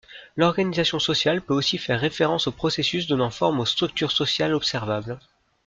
L'organisation sociale peut aussi faire référence au processus donnant forme aux structures sociales observables.